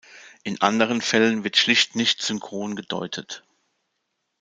In anderen Fällen wird schlicht nicht synchron gedeutet.